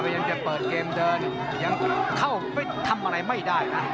ยังจะเปิดเกมเดินยังเข้าไปทำอะไรไม่ได้นะ